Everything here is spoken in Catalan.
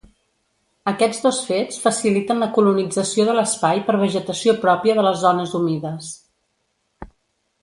Aquests dos fets faciliten la colonització de l'espai per vegetació pròpia de les zones humides.